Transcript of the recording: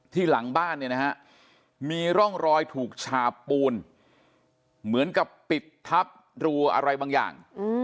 ที่หลังบ้านมีร่องรอยถูกฉาปูนเหมือนกับปิดทัพรูอะไรบางอย่าง